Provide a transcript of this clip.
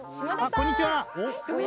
こんにちは。